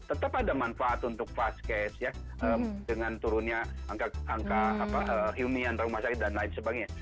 tetap ada manfaat untuk fast case dengan turunnya angka hiunian rangka masyarakat dan lain sebagainya